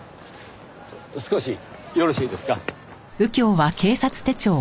少しよろしいですか？